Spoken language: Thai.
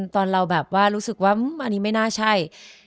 ตอนเราแบบว่ารู้สึกว่าอันนี้ไม่น่าใช่